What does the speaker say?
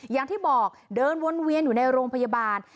อย่างที่บอกเดินวนเวียนอยู่ในโรงพยาบาล